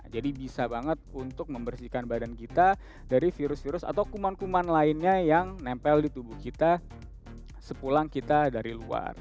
jadi bisa banget untuk membersihkan badan kita dari virus virus atau kuman kuman lainnya yang nempel di tubuh kita sepulang kita dari luar